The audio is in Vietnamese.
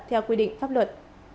theo quy định pháp luật